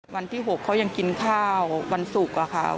วันที่๖เขายังกินข้าววันสุดกว่าเขา